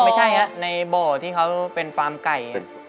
ไม่ใช่ครับในบ่อที่เขาเป็นฟาร์มไก่